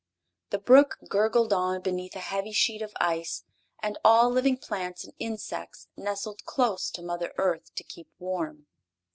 The brook gurgled on beneath a heavy sheet of ice and all living plants and insects nestled close to Mother Earth to keep warm.